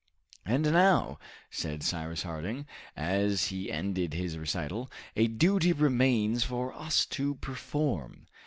"And now," said Cyrus Harding, as he ended his recital, "a duty remains for us to perform.